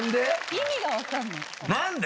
意味がわからない。